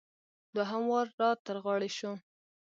دوهم وار را تر غاړې شو.